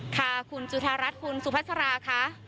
ค่ะคุณจุธารัฐคุณสุภาษาราค่ะ